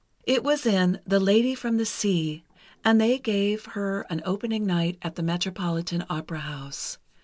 It was in 'The Lady from the Sea,' and they gave her an opening night at the Metropolitan Opera House.